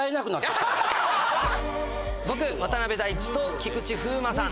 僕渡辺大知と菊池風麿さん